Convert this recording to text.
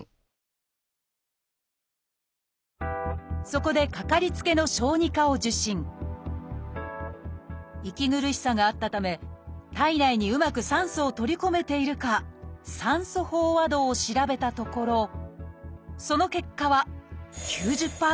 そこでかかりつけの息苦しさがあったため体内にうまく酸素を取り込めているか酸素飽和度を調べたところその結果は９０％。